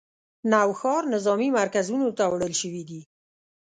نوښار نظامي مرکزونو ته وړل شوي دي